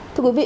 thưa quý vị